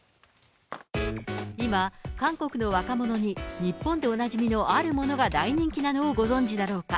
今、韓国の若者に日本でおなじみのあるものが大人気なのをご存じだろうか。